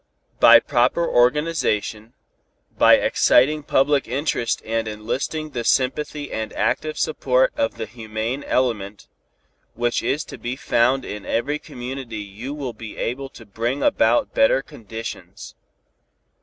By proper organization, by exciting public interest and enlisting the sympathy and active support of the humane element, which is to be found in every community you will be able to bring about better conditions.